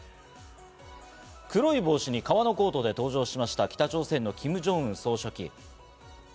黒い帽子に革のコートで登場しました、北朝鮮のキム・ジョンウン総書記。